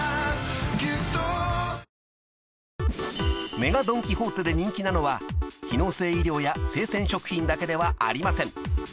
［ＭＥＧＡドン・キホーテで人気なのは機能性衣料や生鮮食品だけではありません］